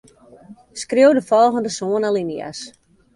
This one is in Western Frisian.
Skriuw de folgjende sân alinea's.